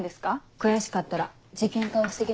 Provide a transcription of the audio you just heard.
悔しかったら事件化を防ぎな。